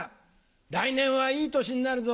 来年はいい年になるぞ。